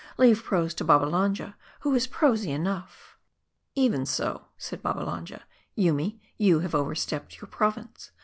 Leave prose to Babbalanja, who is prosy enough." "Even so," said Babbalanja, "Yoomy, you have over stepped your province.